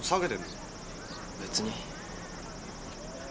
別に。